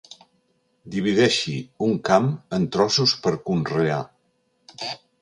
Divideixi un camp en trossos per conrear.